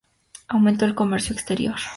Aumentó el comercio exterior.